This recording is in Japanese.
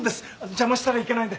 邪魔したらいけないんで。